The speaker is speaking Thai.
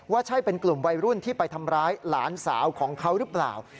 ว่าใช่เป็นกลุ่มวัยรุ่นที่ไปทำร้ายหลานสาวของเขาหรือเปล่า